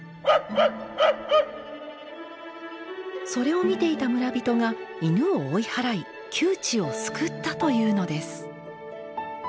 それを見ていた村人が犬を追い払い窮地を救ったというのです。